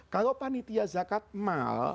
kalau panitia zakat mal